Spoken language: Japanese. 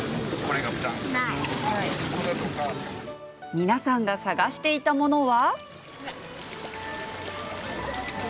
皆さんが探していたものは。